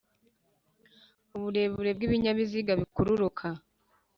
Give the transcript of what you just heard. Uburebure bw ibinyabiziga bikururana